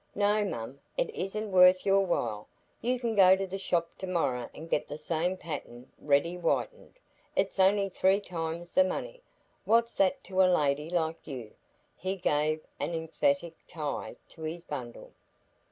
"No, mum, it isn't worth your while; you can go to the shop to morrow an' get the same pattern ready whitened. It's on'y three times the money; what's that to a lady like you?" He gave an emphatic tie to his bundle.